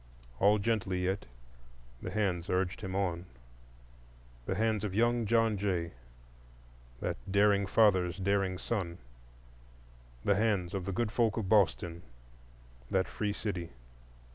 All gently yet, the hands urged him on,—the hands of young John Jay, that daring father's daring son; the hands of the good folk of Boston, that free city.